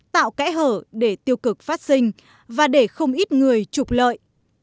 tạo kẽ hở để tiêu cực phát sinh và để không ít người trục lợi